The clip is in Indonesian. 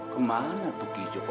kemana tuh gijok